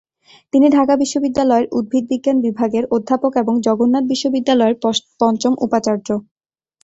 তিনি ঢাকা বিশ্ববিদ্যালয়ের উদ্ভিদবিজ্ঞান বিভাগের অধ্যাপক এবং জগন্নাথ বিশ্ববিদ্যালয়ের পঞ্চম উপাচার্য।